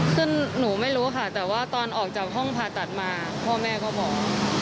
ซึ่งหนูไม่รู้ค่ะแต่ว่าตอนออกจากห้องผ่าตัดมาพ่อแม่ก็บอก